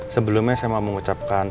sebelumnya saya mau mengucapkan